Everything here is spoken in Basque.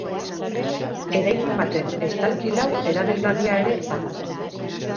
Eraikin baten estalki lau erabilgarria ere bada.